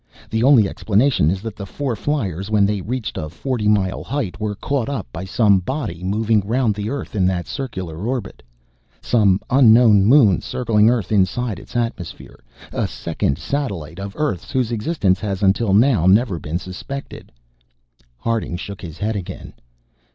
The only explanation is that the four fliers when they reached a forty mile height were caught up by some body moving round Earth in that circular orbit, some unknown moon circling Earth inside its atmosphere, a second satellite of Earth's whose existence has until now never been suspected!" Harding shook his head again.